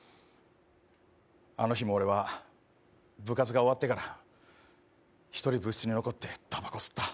あの日も俺は部活が終わってから１人部室に残ってたばこ吸った。